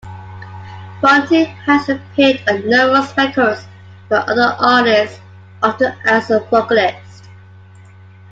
Phonte has appeared on numerous records by other artists, often as a vocalist.